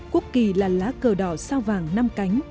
quốc kỳ là lá cờ đỏ sao vàng năm cánh